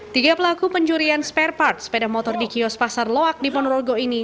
tiga pelaku pencurian spare part sepeda motor di kios pasar loak di ponorogo ini